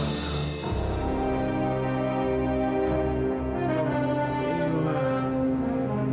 gobi aku mau ke rumah